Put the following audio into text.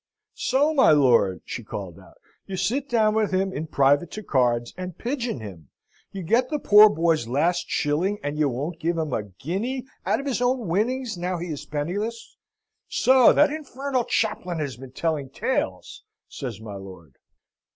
"So, my lord!" she called out, "you sit down with him in private to cards, and pigeon him! You get the poor boy's last shilling, and you won't give him a guinea out of his own winnings now he is penniless!" "So that infernal chaplain has been telling tales!" says my lord.